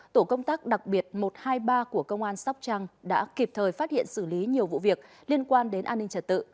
tổ công tác đặc biệt một trăm hai mươi ba của công an sóc trăng đã kịp thời phát hiện xử lý nhiều vụ việc liên quan đến an ninh trật tự